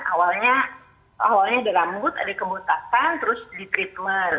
awalnya ada rambut ada kebotakan terus di treatment